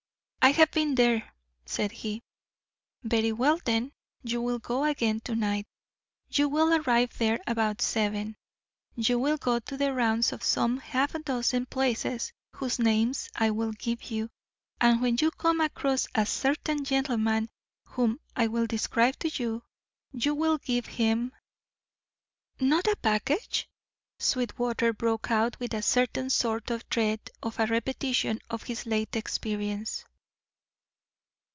"I have been there," said he. "Very well, then, you will go again to night. You will arrive there about seven, you will go the rounds of some half dozen places whose names I will give you, and when you come across a certain gentleman whom I will describe to you, you will give him " "Not a package?" Sweetwater broke out with a certain sort of dread of a repetition of his late experience.